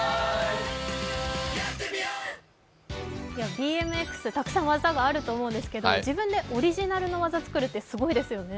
ＢＭＸ、たくさん技があると思うんですけど自分でオリジナルの技作るってすごいですよね。